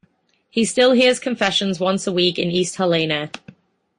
He still hears confessions once a week in East Helena.